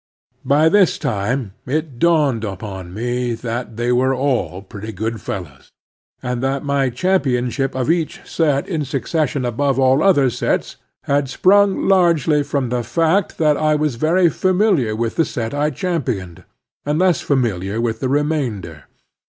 By this time it dawned upon me that they were all pretty good fellows, and that my championship of each set in succession above all other sets ha,d sprung largely from the fact that I was very familiar with the set I championed, and less familiar with the remainder.